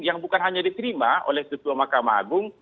yang bukan hanya diterima oleh ketua mahkamah agung